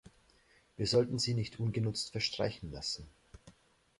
Wir sollten sie nicht ungenutzt verstreichen lassen.